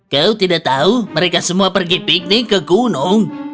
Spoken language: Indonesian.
kau tidak tahu mereka semua pergi piknik ke gunung